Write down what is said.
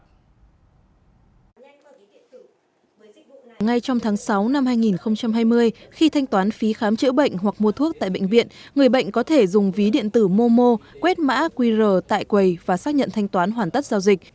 ngay trong tháng sáu năm hai nghìn hai mươi khi thanh toán phí khám chữa bệnh hoặc mua thuốc tại bệnh viện người bệnh có thể dùng ví điện tử momo quét mã qr tại quầy và xác nhận thanh toán hoàn tất giao dịch